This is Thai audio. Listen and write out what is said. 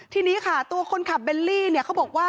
ทีนี้ค่ะตัวคนขับเบลลี่เนี่ยเขาบอกว่า